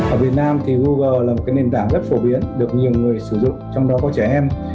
ở việt nam thì google là một nền tảng rất phổ biến được nhiều người sử dụng trong đó có trẻ em